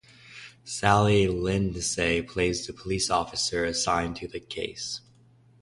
Sally Lindsay plays the police officer assigned to the case.